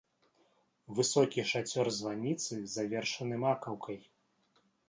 Высокі шацёр званіцы завершаны макаўкай.